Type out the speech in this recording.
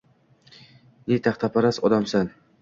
Ne taxtaparast odamsan.